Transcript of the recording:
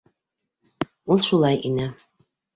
Ул шулай ине.